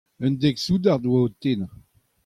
Un dek soudard a oa o tennañ.